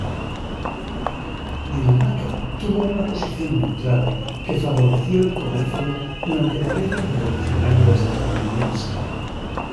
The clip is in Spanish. Dinamarca tuvo una posición neutral que favoreció el comercio durante la Guerra Revolucionaria estadounidense.